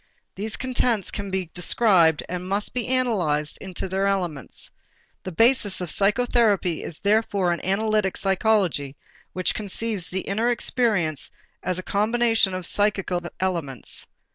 These contents can be described and must be analyzed into their elements. The basis of psychotherapy is therefore an analytic psychology which conceives the inner experience as a combination of psychical elements.